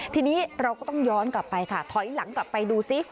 ทีนี้เราก็ต้องย้อนกลับไปค่ะถอยหลังกลับไปดูซิ